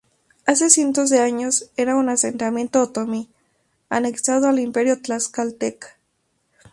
Hace cientos de años era un asentamiento otomí, anexado al Imperio Tlaxcalteca.